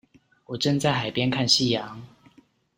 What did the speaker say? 我正在海邊看夕陽